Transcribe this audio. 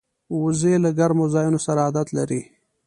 وزې له ګرمو ځایونو سره عادت لري